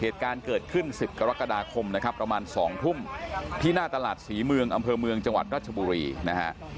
ต้านร้าตลาทศรีเมืองอำเภอเมืองจังหวัดราชบุรีนะฮะ